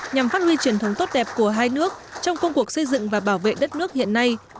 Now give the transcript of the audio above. nhằm phát huy truyền thống tốt đẹp của hai nước trong công cuộc xây dựng và bảo vệ đất nước hiện nay